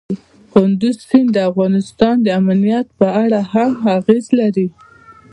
کندز سیند د افغانستان د امنیت په اړه هم اغېز لري.